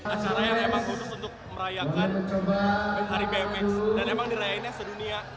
acara yang emang khusus untuk merayakan hari bmx dan emang dirayainnya sedunia